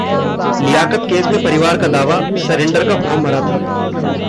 Liaquat case में परिवार का दावा, सरेंडर का फॉर्म भरा था